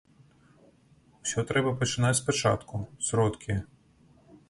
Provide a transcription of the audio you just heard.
Усё трэба пачынаць спачатку, сродкі.